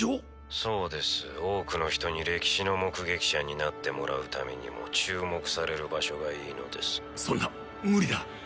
☎そうです☎多くの人に歴史の目撃者になってもらうためにも☎注目される場所がいいのですそんな無理だ